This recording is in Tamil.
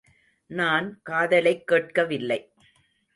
நான் காதலைக் கேட்கவில்லை.